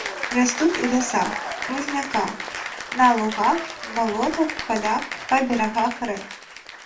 Растуць у лясах, хмызняках, на лугах, балотах, палях, па берагах рэк.